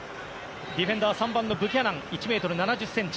ディフェンダー３番のブキャナンが１ｍ７０ｃｍ。